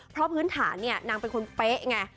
เพราะพื้นฐานเนี่ยนางเป็นคนเป๊ะไง